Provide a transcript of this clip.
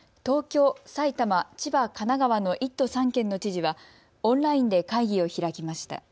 東京、埼玉、千葉、神奈川の１都３県の知事はオンラインで会議を開きました。